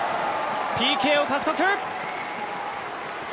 ＰＫを獲得。